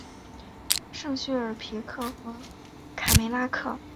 圣叙尔皮克和卡梅拉克。